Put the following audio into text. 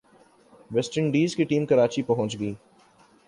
waste Indies کی team Karachi پہنچ گئی